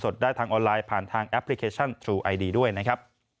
นี่ไงเราแชมป์ดีกว่า